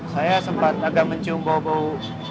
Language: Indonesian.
saya sempat agak mencium bau bau